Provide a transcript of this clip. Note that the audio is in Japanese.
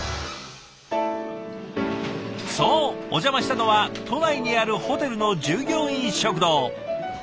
そうお邪魔したのは都内にあるホテルの従業員食堂。